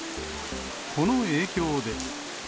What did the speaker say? この影響で。